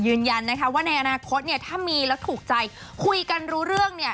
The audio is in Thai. คุณยืนยันนะครับว่าในอนาคตถ้ามีและถูกใจคุยกันรู้เรื่อง